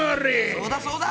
そうだそうだ！